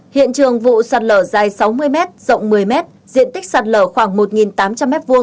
hiện trường vụ sạt lở dài sáu mươi m rộng một mươi mét diện tích sạt lở khoảng một tám trăm linh m hai